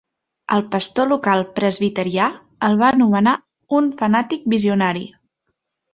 El pastor local presbiterià el va anomenar un fanàtic visionari.